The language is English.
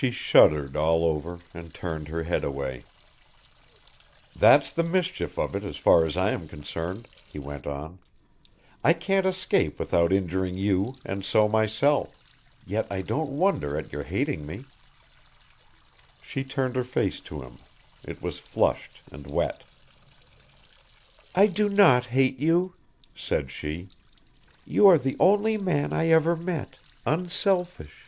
She shuddered all over and turned her head away. "That's the mischief of it as far as I am concerned," he went on. "I can't escape without injuring you and so myself yet I don't wonder at your hating me." She turned her face to him, it was flushed and wet. "I do not hate you," said she; "you are the only man I ever met unselfish."